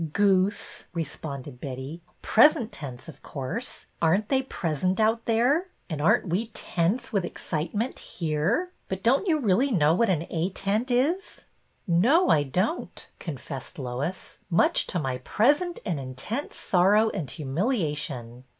" Goose !" responded Betty. Present tense, of course. Are n't they present out there? And aren't we tense with excitement here? But don't you really know what an A tent is ?" A NEW SCHEME 91 No, I don't,'' confessed Lois, much to my present and intense sorrow and humiliation.